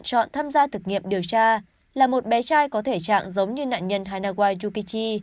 chọn tham gia thực nghiệm điều tra là một bé trai có thể trạng giống như nạn nhân hanawayukichi